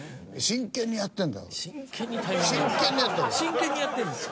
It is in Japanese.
真剣にやってるんです。